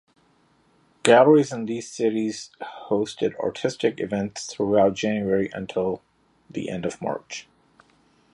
Galleries in these cities hosted artistic events throughout January until the end of March.